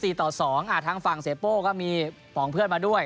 เป็น๔ต่อ๒ทั้งฝั่งเซโป้ก็มีผ่องเพื่อนมาด้วย